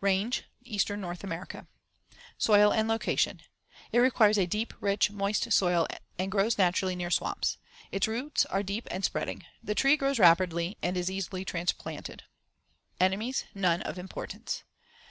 Range: Eastern North America. Soil and location: It requires a deep, rich, moist soil and grows naturally near swamps. Its roots are deep and spreading. The tree grows rapidly and is easily transplanted. Enemies: None of importance.